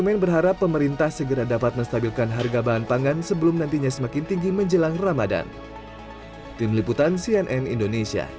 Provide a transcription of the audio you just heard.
dan berharap pemerintah segera dapat menstabilkan harga bahan pangan sebelum nantinya semakin tinggi menjelang ramadan